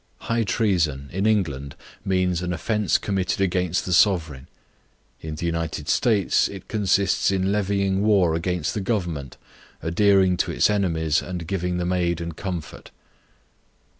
High Treason, in England, means an offence committed against the sovereign. In the United States it consists in levying war against the government, adhering to its enemies, and giving them aid and comfort.